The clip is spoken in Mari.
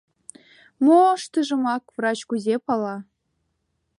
— Моштымыжымак врач кузе пала?